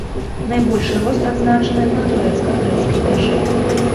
Найбольшы рост адзначаны на турэцка-грэцкай мяжы.